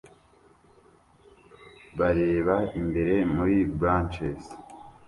bareba imbere muri blachers